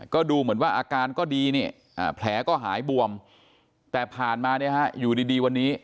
ก็ดูเหมือนว่าอาการก็ดีนี่แผลก็หายบวมแต่ผ่านมาเนี่ยฮะอยู่ดีวันนี้